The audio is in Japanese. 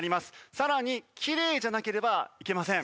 さらにきれいじゃなければいけません。